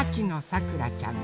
さくらちゃん。